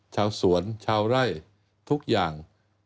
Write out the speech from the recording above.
ชาวสวนชาวไร่ทุกอย่าง